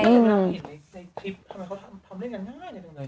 ทำเล่นอย่างง่าย